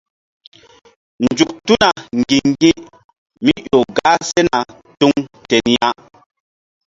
Nzuk tuna ŋgi̧ŋgi̧mí ƴo gah sena tuŋ ten ya.